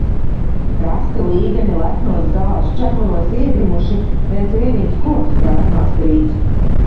Krasti līgani leknos zāles čemuros iegrimuši, viens vienīgs koks brāzmās trīc.